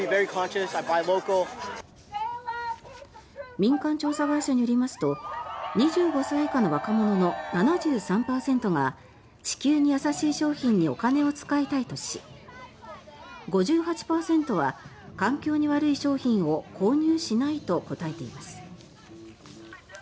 民間調査会社によりますと２５歳以下の若者の７３％が地球に優しい商品にお金を使いたいとし５８％は環境に悪い商品を購入しないと答えています。